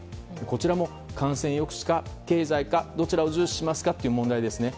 こちらも感染抑止か経済かどちらを重視しますかという問題ですね。